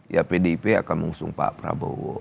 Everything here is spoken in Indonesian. ya pdip akan mengusung pak prabowo